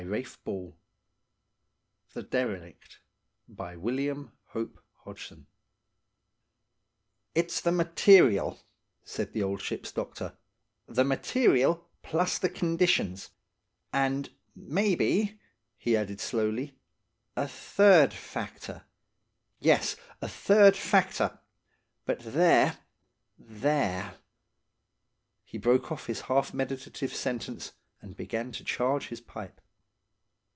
Â Be sure to tune in and find out!–Sam The Derelict "IT'S the material," said the old ship's doctor–"the material plus the conditions–and, maybe," he added slowly, "a third factor–yes, a third factor; but there, there —" He broke off his half meditative sentence and began to charge his pipe.